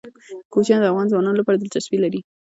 کوچیان د افغان ځوانانو لپاره دلچسپي لري.